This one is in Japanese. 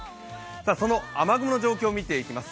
その雨雲の状況を見ていきます。